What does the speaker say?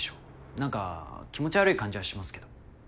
なんか気持ち悪い感じはしますけど。